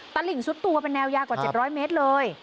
ตลิ่งซุดตัวเป็นแนวยาวกว่า๗๐๐เมตรเลย